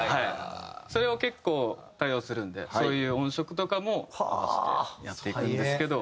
それを結構多用するのでそういう音色とかも合わせてやっていくんですけど。